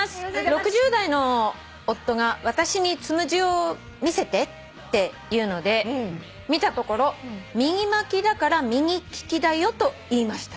６０代の夫が私に『つむじを見せて』って言うので見たところ『右巻きだから右利きだよ』と言いました」